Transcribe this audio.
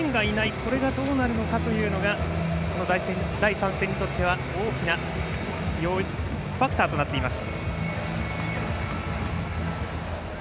これがどうなるかというのが第３戦にとっての大きなファクターとなっています。